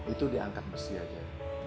itu diangkat bersih aja